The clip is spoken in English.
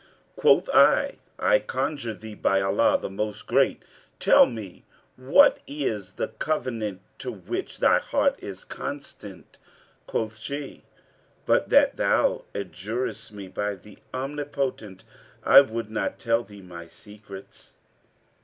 Quoth I, 'I conjure thee, by Allah the Most Great, tell me what is the covenant to which thy heart is constant.' Quoth she, 'But that thou adjurest me by the Omnipotent, I would not tell thee my secrets.